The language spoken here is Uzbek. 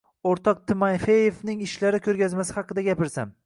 Oʻrtoq Timofeevning ishlari koʻrgazmasi haqida gapirsam.